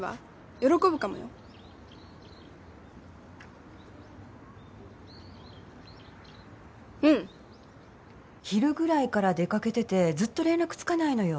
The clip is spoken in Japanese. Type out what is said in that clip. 喜ぶかもようん昼ぐらいから出かけててずっと連絡つかないのよ